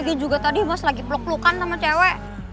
makanya juga tadi mas lagi peluk pelukan sama cewe